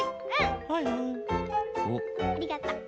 ありがとう。